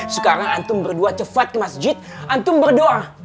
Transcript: sekarang antum berdua cepat ke masjid antum berdoa